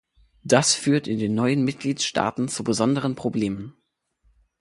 Das führt in den neuen Mitgliedstaaten zu besonderen Problemen.